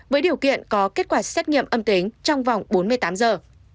với điều kiện có kết quả xét nghiệm âm tính trong vòng bốn mươi tám giờ